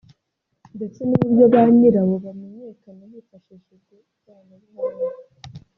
ndetse n’uburyo ba nyirawo bamenyekana hifashishijwe ikoranabuhanga